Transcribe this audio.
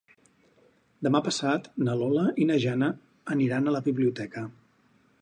Demà passat na Lola i na Jana aniran a la biblioteca.